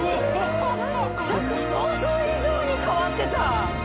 ちょっと想像以上に変わってた！